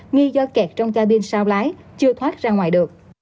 nghi do kẹt trong cabin sao lái chưa thoát ra ngoài được